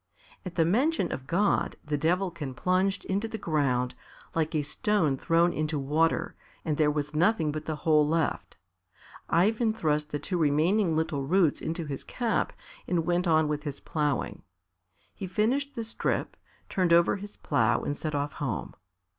At the mention of God the Devilkin plunged into the ground like a stone thrown into water, and there was nothing but the hole left. Ivan thrust the two remaining little roots into his cap and went on with his ploughing. He finished the strip, turned over his plough and set off home.